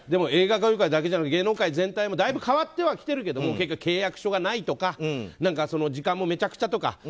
映画業界だけじゃなく芸能界全体もだいぶ変わってはきてるけども契約書がないとか時間がむちゃくちゃとか。